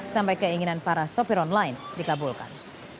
sampai keinginan para sopir online dikabulkan